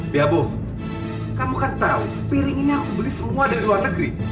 dia bu kamu kan tahu piring ini aku beli semua dari luar negeri